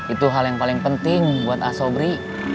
itu hal yang paling penting buat ah pretend elkruci